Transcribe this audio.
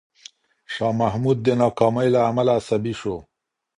شاه محمود د ناکامۍ له امله عصبي شو.